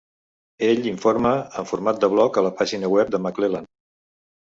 Ell informa en format de blog a la pàgina web de McClelland.